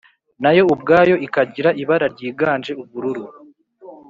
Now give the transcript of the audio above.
nayo ubwayo ikagira ibara ryiganje ubururu